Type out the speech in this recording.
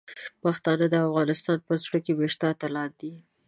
پښتانه د افغانستان په زړه کې میشته اتلان دي.